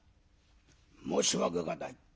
「申し訳がない。